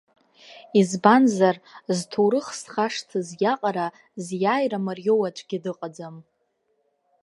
Избанзар, зҭоурых зхашҭыз иаҟара зиааира мариоу аӡәгьы дыҟаӡам.